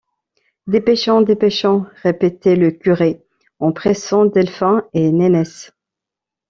Dépêchons, dépêchons, répétait le curé, en pressant Delphin et Nénesse.